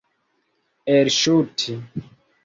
elŝuti